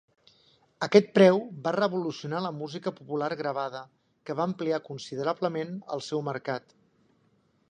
Aquest preu va revolucionar la música popular gravada, que va ampliar considerablement el seu mercat.